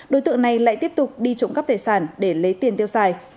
đối tượng này lại tiếp tục đi trộm cắp tài sản để lấy tiền tiêu xài